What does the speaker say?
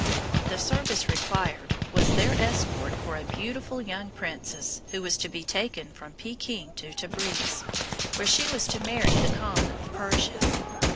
The service required was their escort for a beautiful young princess who was to be taken from Peking to Tabriz, where she was to marry the Khan of Persia.